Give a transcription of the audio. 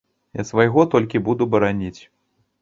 Я свайго толькі буду бараніць!